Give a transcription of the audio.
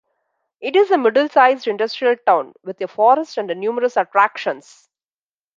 It is a middle sized industrial town with a forest and numerous attractions.